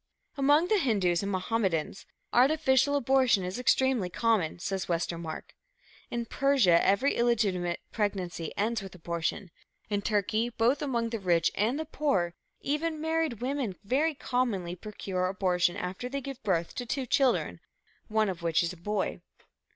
"Among the Hindus and Mohammedans, artificial abortion is extremely common," says Westermark. "In Persia every illegitimate pregnancy ends with abortion. In Turkey, both among the rich and the poor, even married women very commonly procure abortion after they have given birth to two children, one of which is a boy."